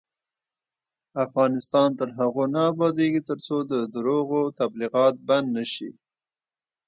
افغانستان تر هغو نه ابادیږي، ترڅو د درواغو تبلیغات بند نشي.